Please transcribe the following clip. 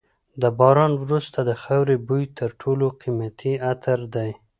د باران وروسته د خاورې بوی تر ټولو قیمتي عطر دی.